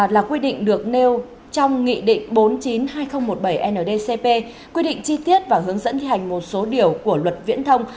là quy định được nêu trong nghị định bốn mươi chín hai nghìn một mươi bảy ndcp quy định chi tiết và hướng dẫn thi hành một số điều của luật viễn thông